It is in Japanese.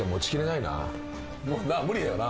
無理だよな。